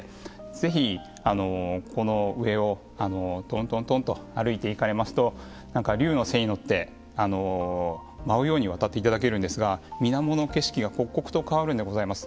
ぜひこの上をとんとんとんと歩いていかれますと何か龍の背に乗って舞うように渡って頂けるんですがみなもの景色が刻々と変わるんでございます。